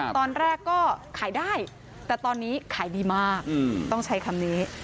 ตอนแรกก็ขายได้แต่ตอนนี้ขายดีมากต้องใช้คำนี้